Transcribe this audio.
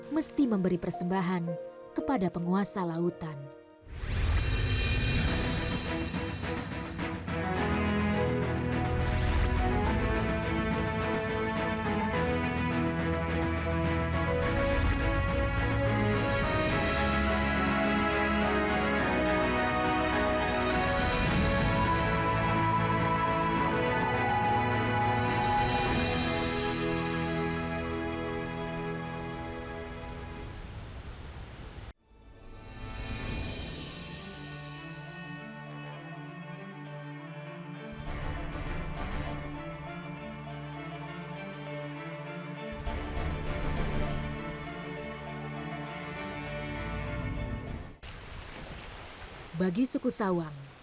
mesti memberi persembahan kepada penguasa lautan